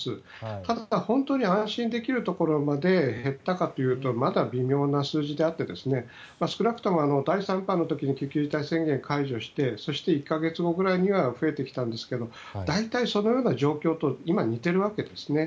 ただ、本当に安心できるところまで減ったかというとまだ微妙な数字であって少なくとも第３波の時に緊急事態宣言を解除してそして１か月後くらいには増えてきたんですけど大体そのような状況と今、似ているわけですね。